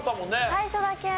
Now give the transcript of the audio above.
最初だけ。